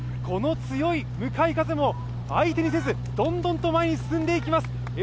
この強い向かい風も相手にせず、どんどんと前に進んでいきます。